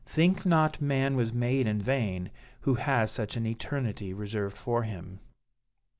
Think not man was made in vain, who has such an eternity reserved for him.'